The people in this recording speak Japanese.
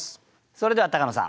それでは高野さん